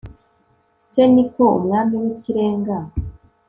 c ni ko Umwami w Ikirenga